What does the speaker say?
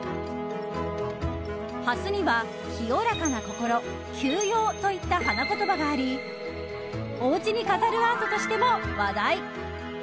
ハスには、清らかな心休養といった花言葉がありおうちに飾るアートとしても話題。